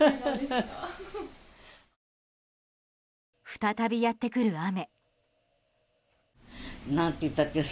再びやってくる雨。